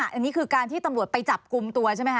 อันนี้คือการที่ตำรวจไปจับกลุ่มตัวใช่ไหมค